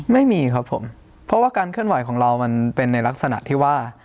ไม่มีครับผมเพราะว่าการเคลื่อนไหวของเรามันเป็นในลักษณะที่ว่า